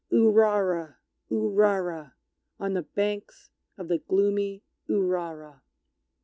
Urara! Urara! On the banks of the gloomy Urara!